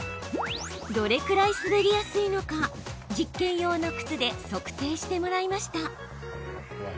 どれくらい滑りやすいのか実験用の靴で測定してもらいました。